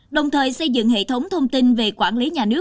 đồng thời xây dựng hệ thống thông tin về quản lý nhà nước